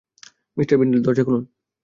Mr Bindel, দরজা খুলুন।